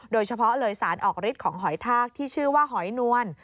โดยเฉพาะเลยสารออกฤทธิ์ของหอยทากที่ชื่อว่าหอยนวล